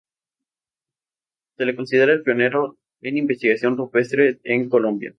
Se le considera el pionero en investigación rupestre en Colombia.